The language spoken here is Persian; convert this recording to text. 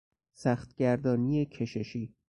سخت گردانی کششی